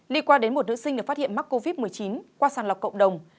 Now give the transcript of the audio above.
lý qua đến một nữ sinh được phát hiện mắc covid một mươi chín qua sàng lọc cộng đồng